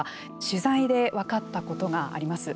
取材で分かったことがあります。